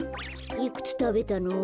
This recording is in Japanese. いくつたべたの？